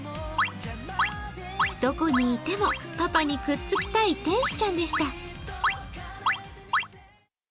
どこにいてもパパにくっつきたい天使ちゃんでした。